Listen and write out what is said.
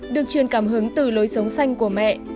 được truyền cảm hứng từ lối sống xanh của mẹ